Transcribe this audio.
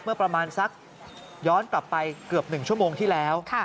เมื่อประมาณสักย้อนกลับไปเกือบ๑ชั่วโมงที่แล้ว